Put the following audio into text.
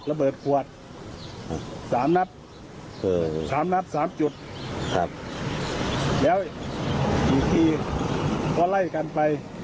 ระเบิดขวดสามนัดสามนัดสามจุดครับแล้วอีกทีก็ไล่กันไป